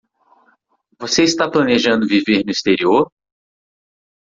Você está planejando viver no exterior?